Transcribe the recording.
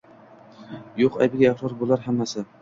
Yo’q aybiga iqror bo’lar hammasi